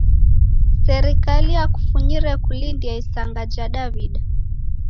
Serikali yakufunyire kulindia isanga ja Daw'ida.